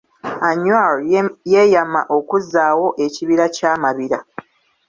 Anywar yeeyama okuzzaawo ekibira kya Mabira.